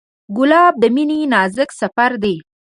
ګلاب د مینې نازک سفر دی.